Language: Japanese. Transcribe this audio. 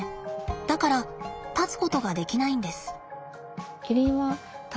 だから立つことができないんです。